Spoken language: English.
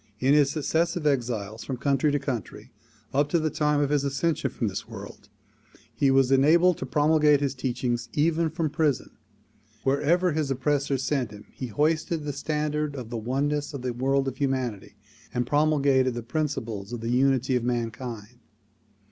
In his successive exiles from country to country up to the time of his ascension from this world, he was enabled to promulgate his teachings even from prison. Wherever his oppressors sent him he hoisted the standard of the oneness of the world of humanity and promulgated the principles of the unity of mankind.